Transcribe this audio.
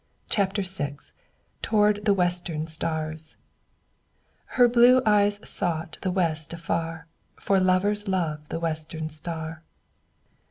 CHAPTER VI TOWARD THE WESTERN STARS Her blue eyes sought the west afar, For lovers love the western star.